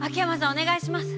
お願いします。